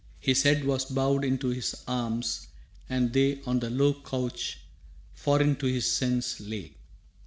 His head was bowed into his arms, and they On the low couch, foreign to his sense, lay.